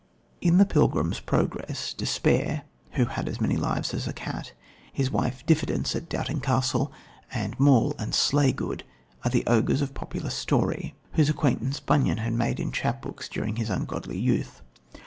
In The Pilgrim's Progress, Despair, who "had as many lives as a cat," his wife Diffidence at Doubting Castle, and Maul and Slaygood are the ogres of popular story, whose acquaintance Bunyan had made in chapbooks during his ungodly youth.